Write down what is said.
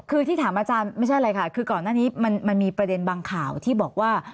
คือที่ถามอาจารย์ไม่ใช่อะไรค่ะคือก่อนหน้านี้มันมีประเด็นบางข่าวที่บอกว่า